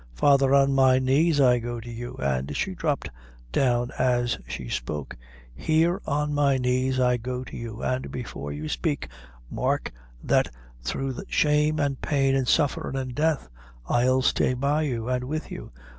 Father, on my knees I go to you;" and she dropped down as she spoke; "here on my knees I go to you, an' before you spake, mark, that through shame an' pain, an' sufferin', an' death, I'll stay by you, an' with you.